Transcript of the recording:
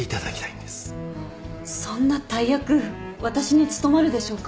そんな大役私に務まるでしょうか？